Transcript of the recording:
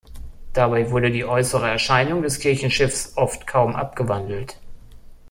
Dabei wurde die äußere Erscheinung des Kirchenschiffs oft kaum abgewandelt.